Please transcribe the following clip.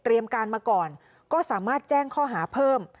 การมาก่อนก็สามารถแจ้งข้อหาเพิ่ม